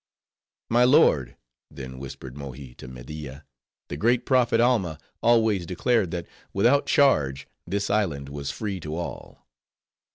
"My lord," then whispered Mohi to Media "the great prophet Alma always declared, that, without charge, this island was free to all."